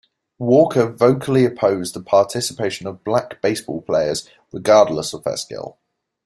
Walker vocally opposed the participation of black baseball players regardless of their skill.